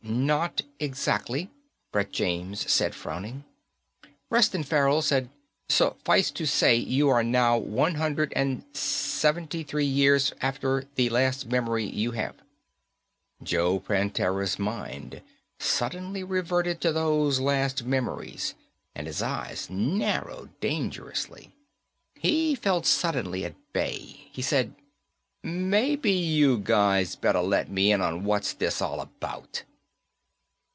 "Not exactly," Brett James said, frowning. Reston Farrell said, "Suffice to say, you are now one hundred and seventy three years after the last memory you have." Joe Prantera's mind suddenly reverted to those last memories and his eyes narrowed dangerously. He felt suddenly at bay. He said, "Maybe you guys better let me in on what's this all about."